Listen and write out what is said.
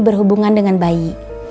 berhubungan dengan bayi